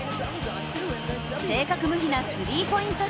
正確無比なスリーポイント